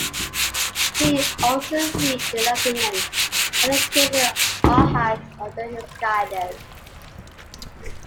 He also reached enlightenment and became an arhat under his guidance.